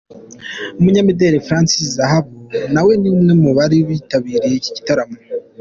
Umunyamideli Francis Zahabu na we ni umwe mu bari bitabiriye iki gitaramo.